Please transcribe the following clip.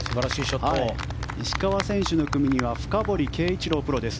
石川選手の組には深堀圭一郎プロです。